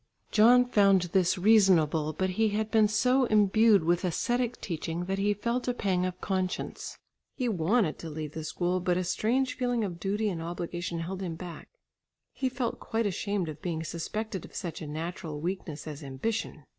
John found this reasonable, but he had been so imbued with ascetic teaching that he felt a pang of conscience. He wanted to leave the school, but a strange feeling of duty and obligation held him back. He felt quite ashamed of being suspected of such a natural weakness as ambition.